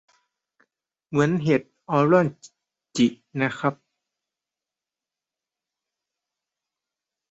เหมือนเห็ดออรัลจิน่ะครับ